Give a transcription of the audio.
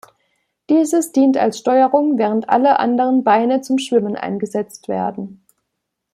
Dieses dient als Steuerung während alle anderen Beine zum Schwimmen eingesetzt werden.